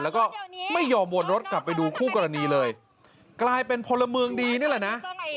แล้วก็ไม่ยอมวนรถกลับไปดูคู่กรณีเลยกลายเป็นพลเมืองดีนี่แหละนะ